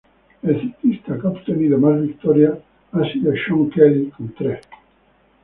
El ciclista que ha obtenido más victorias ha sido Seán Kelly con tres.